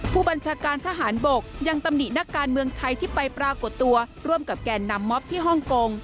ผู้บัญชาการทหารบกยังตำหนินักการเมืองไทยที่ไปปรากฏตัวร่วมกับแก่นำม็อบที่ฮ่องกง